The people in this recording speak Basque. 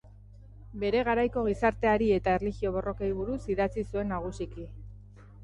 Bere garaiko gizarteari eta erlijio-borrokei buruz idatzi zuen nagusiki.